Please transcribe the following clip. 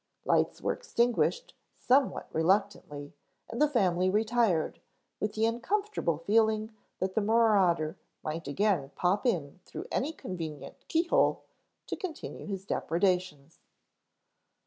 Lights were extinguished somewhat reluctantly and the family retired, with the uncomfortable feeling that the marauder might again pop in through any convenient keyhole to continue his depredations.